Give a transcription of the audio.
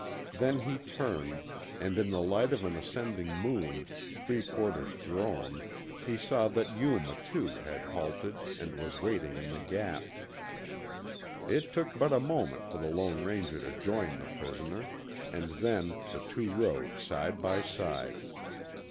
Then he turned, and in the light of an ascending moon, three quarters grown, he saw that Yuma too had halted and was waiting in the Gap. It took but a moment for the Lone Ranger to join the prisoner, and then the two rode side by side.